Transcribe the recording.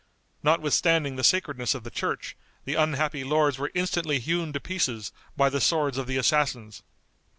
Notwithstanding the sacredness of the church, the unhappy lords were instantly hewn to pieces by the swords of the assassins.